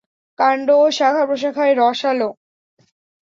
কাণ্ড ও শাখা প্রশাখা রসালো।